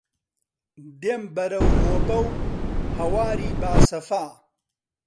دێم بەرەو هۆبە و هەواری باسەفا